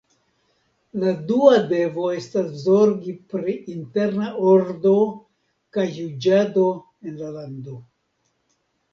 La dua devo estas zorgi pri interna ordo kaj juĝado en la lando.